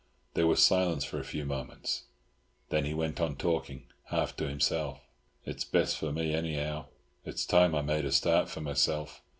There was silence for a few moments, then he went on talking, half to himself. "It's best for me, anyhow. It's time I made a start for myself.